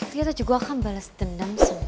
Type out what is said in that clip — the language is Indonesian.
tia tuh juga akan bales dendam semua